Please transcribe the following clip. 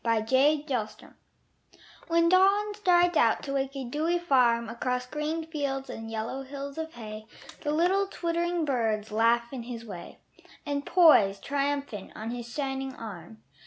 Alarm Clocks When Dawn strides out to wake a dewy farm Across green fields and yellow hills of hay The little twittering birds laugh in his way And poise triumphant on his shining arm.